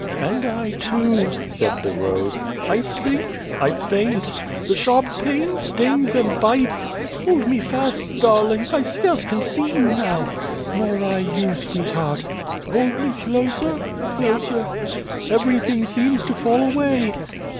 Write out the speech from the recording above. "And I, too," said the rose. "I sink I faint the sharp pain stings and bites ! Hold me fast, darling! I scarce can see you now." " Nor I you, sweetheart !"" Hold me closer closer. Everything seems to fall away."